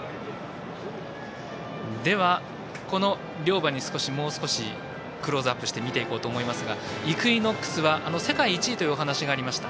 では、この両馬にもう少しクローズアップして見ていこうと思いますがイクイノックスは世界１位というお話がありました。